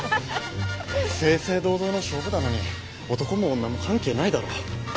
正々堂々の勝負だのに男も女も関係ないだろ。